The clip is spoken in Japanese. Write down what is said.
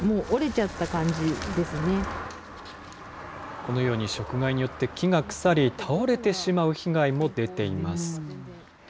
このように食害によって木が腐り、倒れてしまう被害も出ています。